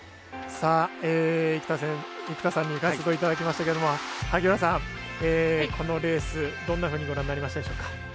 生田さんに解説をいただきましたけれども萩原さん、このレースどんなふうにご覧になりましたでしょうか。